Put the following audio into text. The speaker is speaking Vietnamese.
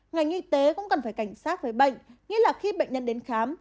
ngành y tế cũng cần phải cảnh sát với bệnh nghĩa là khi bệnh nhân đến khám